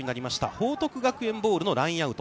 報徳学園ボールのラインアウト。